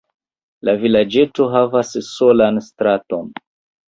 La vilaĝeto havas solan straton.